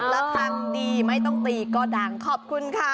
แล้วทางดีไม่ต้องตีก็ดังขอบคุณค่ะ